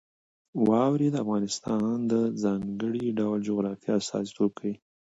واوره د افغانستان د ځانګړي ډول جغرافیه استازیتوب کوي.